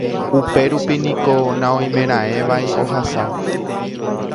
Upérupi niko naoimeraẽvai ohasa.